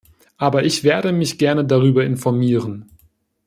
Aber ich werde mich gerne darüber informieren.